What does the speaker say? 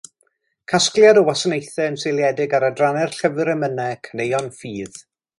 Casgliad o wasanaethau yn seiliedig ar adrannau'r llyfr emynau, Caneuon Ffydd.